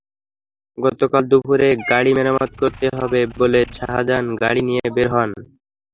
গতকাল দুপুরে গাড়ি মেরামত করতে হবে বলে শাহাজান গাড়ি নিয়ে বের হন।